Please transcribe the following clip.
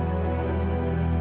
gobi aku mau ke rumah